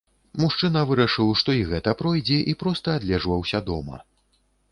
Мужчына вырашыў, што і гэта пройдзе, і проста адлежваўся дома.